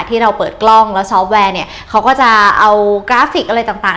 ที่เราเปิดกล้องแล้วซอฟต์แวร์เนี่ยเขาก็จะเอากราฟิกอะไรต่างต่าง